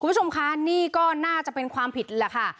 คุณผู้ชมคะนี่ก็น่าจะเป็นความผิดแหละค่ะ